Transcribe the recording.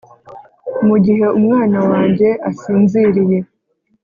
mugihe umwana wanjye asinziriye: